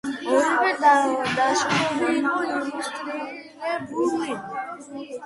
ორივე ნაშრომი იყო ილუსტრირებული.